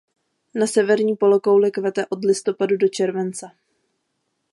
Na severní polokouli kvete od listopadu do července.